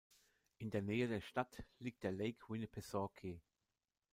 In der Nähe der Stadt liegt der Lake Winnipesaukee.